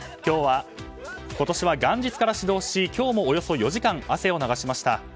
今年は元日から始動し、今日もおよそ４時間、汗を流しました。